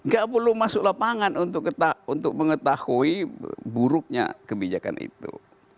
gak perlu masuk lapangan untuk mengetahui buruknya kebijakan itu